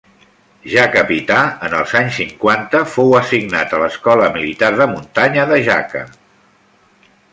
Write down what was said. Ja capità, en els anys cinquanta fou assignat a l'Escola Militar de Muntanya, de Jaca.